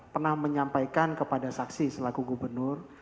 pernah menyampaikan kepada saksi selaku gubernur